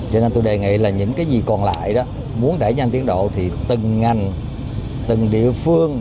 cho nên tôi đề nghị là những cái gì còn lại đó muốn đẩy nhanh tiến độ thì từng ngành từng địa phương